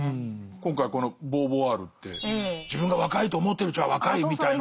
今回このボーヴォワールって自分が若いと思ってるうちは若いみたいの。